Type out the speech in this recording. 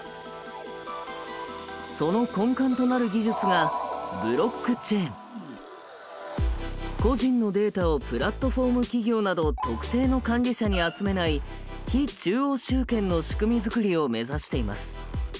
その根幹となる技術が個人のデータをプラットフォーム企業など特定の管理者に集めない非中央集権の仕組み作りを目指しています。